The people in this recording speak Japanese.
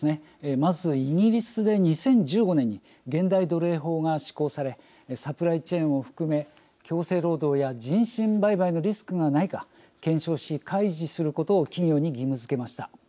まず、イギリスで２０１５年に現代奴隷法が施行されサプライチェーンを含め強制労働や人身売買のリスクがないか検証し開示することを企業に義務づけました。